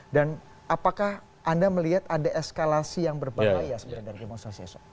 dan apakah anda melihat ada eskalasi yang berbahaya sebenarnya dari demonstrasi esok